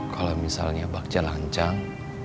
kalau misalnya bakjalanjang